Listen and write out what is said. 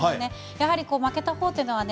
やはり負けた方っていうのはね